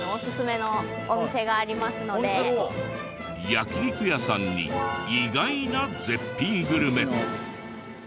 焼き肉屋さんに意外な絶品グルメ。